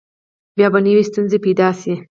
بیا به نوي ستونزې پیدا شي.